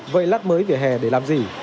vậy lát mới vỉa hè để làm gì